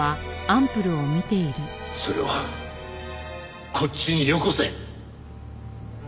それをこっちによこせ。